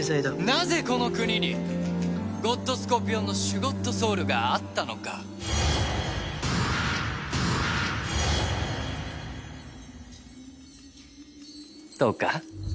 なぜこの国にゴッドスコーピオンのシュゴッドソウルがあったのか。とか。